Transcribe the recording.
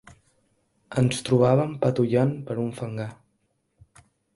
Ens trobàvem patollant per un fangar